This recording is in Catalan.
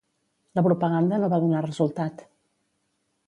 La propaganda no va donar resultat.